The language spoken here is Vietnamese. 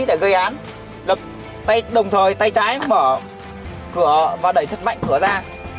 để gây án đập tay đồng thời tay trái mở cửa và đẩy thật mạnh cửa ra